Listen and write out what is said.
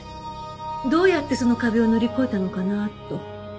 どうやってその壁を乗り越えたのかなと。